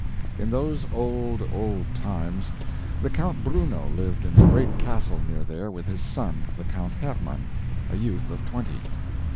In those old, old times, the Count Bruno lived in a great castle near there with his son, the Count Hermann, a youth of twenty.